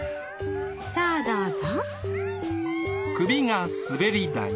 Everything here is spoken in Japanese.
さあどうぞ。